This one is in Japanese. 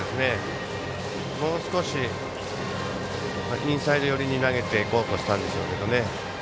もう少しインサイド寄りに投げていこうとしたんでしょうけどね。